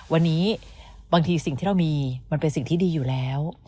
วันนี้บางทีสิ่งที่เรามีมันเป็นสิ่งที่ดีอยู่แล้ว